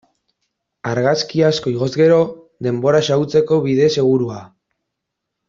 Argazki asko igoz gero, denbora xahutzeko bide segurua.